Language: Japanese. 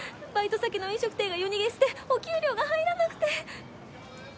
バイト先の飲食店が夜逃げしてお給料が入らなくて。